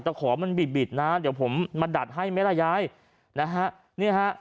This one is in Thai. ขอมันบิดบิดนะเดี๋ยวผมมาดัดให้ไหมล่ะยายนะฮะเนี่ยฮะ